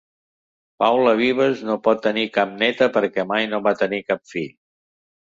Paula Vives no pot tenir cap neta perquè mai no va tenir cap fill.